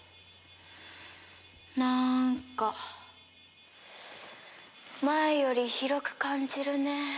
なんか前より広く感じるね。